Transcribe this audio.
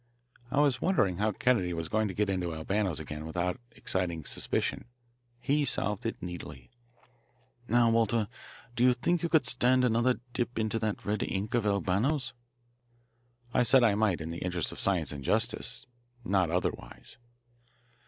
I was wondering how Kennedy was going to get into Albano's again without exciting suspicion. He solved it neatly. "Now, Walter, do you think you could stand another dip into that red ink of Albano's!" I said I might in the interests of science and justice not otherwise.